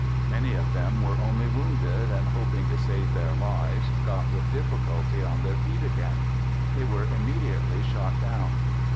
Many of them were only wounded and, hoping to save their lives, got with difficulty on their feet again. They were immediately shot down.